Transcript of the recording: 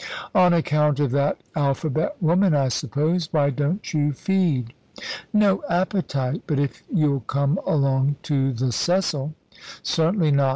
"On account of that alphabet woman, I suppose. Why don't you feed?" "No appetite. But if you'll come along to the Cecil " "Certainly not.